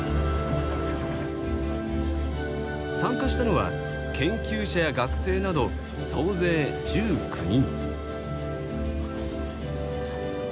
参加したのは研究者や学生など総勢１９人。